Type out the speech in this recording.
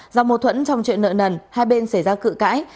do mâu thuẫn trong chuyện nợ nần hai bên xảy ra cự cãi